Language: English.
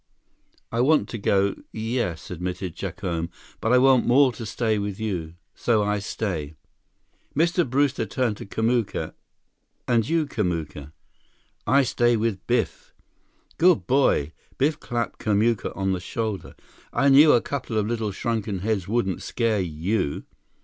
"I want to go, yes," admitted Jacome, "but I want more to stay with you. So I stay." Mr. Brewster turned to Kamuka. "And you, Kamuka?" "I stay with Biff." "Good boy!" Biff clapped Kamuka on the shoulder. "I knew a couple of little shrunken heads wouldn't scare you."